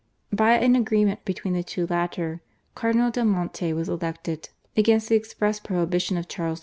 By an agreement between the two latter Cardinal del Monte was elected against the express prohibition of Charles V.